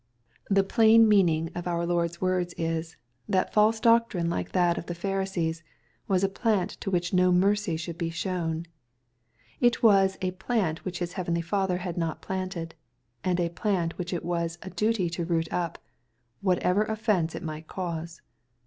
The plain meaning of our Lord's words is, that false doctrine like that of the Pharisees, was a plant to which no mercy should be shown. — It was a " plant which His heavenly Father had not planted," and a plant which it was a duty to root up, whatever offence it might cause.